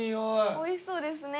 おいしそうですね。